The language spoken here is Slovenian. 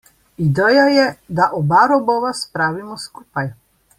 Ideja je, da oba robova spravimo skupaj.